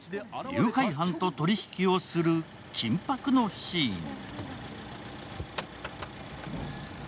誘拐犯と取り引きをする緊迫のシーン。